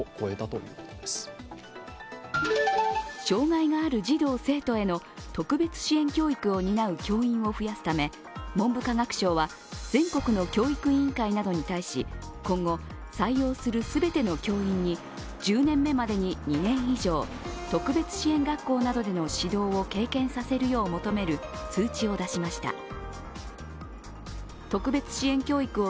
障害がある児童生徒への特別支援教育を担う教員を増やすため文部科学省は全国の教育委員会などに対し今後、採用する全ての教員に１０年目までに２年以上特別支援学校などでの指導を経験させるよう求める通知を出しました。